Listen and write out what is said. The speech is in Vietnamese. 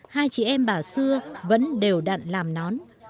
hai chị em bà xưa vẫn đều đặn làm nón